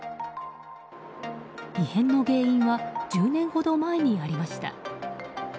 異変の原因は１０年ほど前にありました。